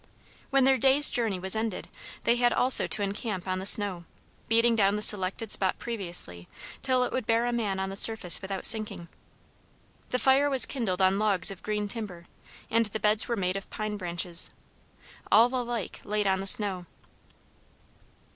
When their day's journey was ended, they had also to encamp on the snow, beating down the selected spot previously, till it would bear a man on the surface without sinking. The fire was kindled on logs of green timber, and the beds were made of pine branches. All alike laid on the snow.